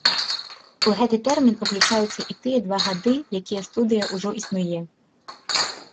У гэты тэрмін уключаюцца і тыя два гады, якія студыя ўжо існуе.